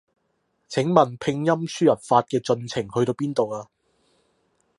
請問拼音輸入法嘅進程去到邊度啊？